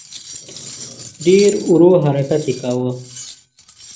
ډېر ورو حرکت یې کاوه.